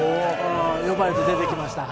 呼ばれて出てきました。